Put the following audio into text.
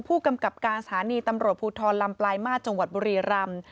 ผู้กำกับการสถานีตำรวจภูทรลำปลายมาตรจังหวัดบุรีรำ